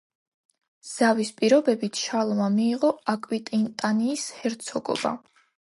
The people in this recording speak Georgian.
ზავის პირობებით, შარლმა მიიღო აკვიტანიის ჰერცოგობა.